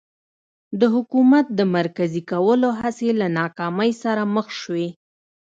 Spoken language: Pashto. د حکومت د مرکزي کولو هڅې له ناکامۍ سره مخ شوې.